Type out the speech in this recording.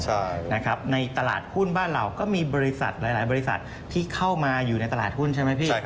แต่นี่ไทยในตลาดฮุ้นบ้านเหล่าก็มีหลายบริษัทที่เข้ามาอยู่ในตลาดฮุ้นใช่ไหม